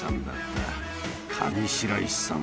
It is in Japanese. ［上白石さん